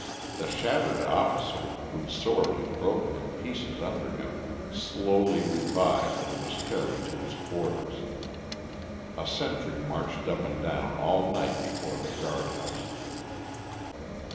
The shattered officer, whose sword had broken in pieces under him, slowly revived and was carried to his quarters. A sentry marched up and down all night before the guard house.